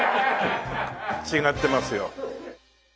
違ってますよ。